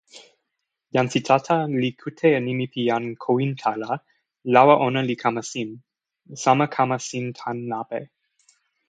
jan Sitata li kute e nimi pi jan Kowinta la lawa ona li kama sin, sama kama sin tan lape.